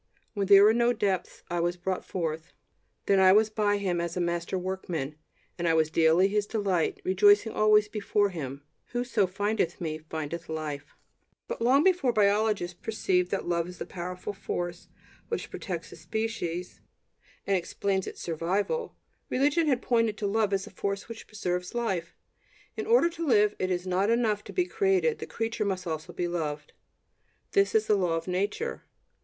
When there were no depths, I was brought forth.... Then I was by him as a master workman, and I was daily his delight, rejoicing always before him.... Whoso findeth me findeth life." But long before biologists perceived that love is the powerful force which protects the species, and explains its survival, religion had pointed to love as the force which preserves life. In order to live, it is not enough to be created; the creature must also be loved. This is the law of nature.